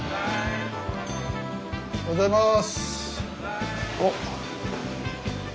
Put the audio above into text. おはようございます。